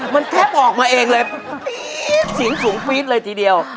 มันแทบออกมาเองเลยเสียงสูงปี๊ดเลยทีเดียว